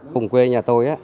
cùng quê nhà tôi